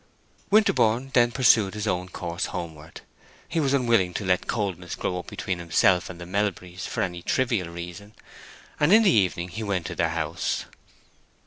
Winterborne then pursued his own course homeward. He was unwilling to let coldness grow up between himself and the Melburys for any trivial reason, and in the evening he went to their house.